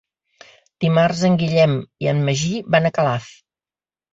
Dimarts en Guillem i en Magí van a Calaf.